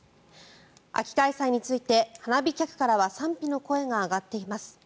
秋開催について花火客からは賛否の声が上がっています。